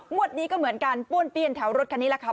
นี้ก็เหมือนกันป้วนเปี้ยนแถวรถคันนี้แหละค่ะ